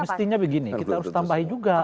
mestinya begini kita harus tambahin juga